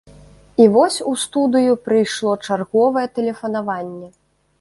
І вось у студыю прыйшло чарговае тэлефанаванне.